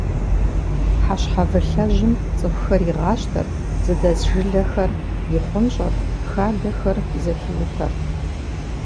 Хьэщхьэвылъэжьым цӏыхухэр игъащтэрт, зыдэс жылэхэр ихъунщӏэрт, хадэхэр зэхиутэрт.